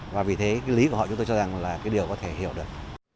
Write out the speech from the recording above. và vì thế cái lý của họ chúng tôi cho rằng là cái điều có thể hiểu được